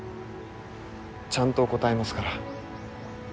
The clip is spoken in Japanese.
ちゃんと答えますから。